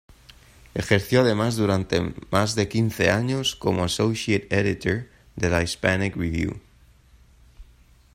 Ejerció además durante más de quince años como "associate editor" de la "Hispanic Review".